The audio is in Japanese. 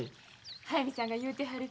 速水さんが言うてはる